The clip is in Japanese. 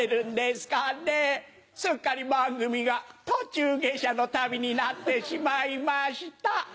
すっかり番組が『途中下車の旅』になってしまいました。